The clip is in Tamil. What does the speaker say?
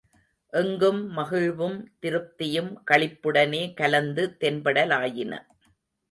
எங்கும் மகிழ்வும் திருப்தியும் களிப்புடனே கலந்து தென்படலாயின.